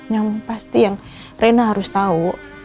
yang pasti yang rena harus tahu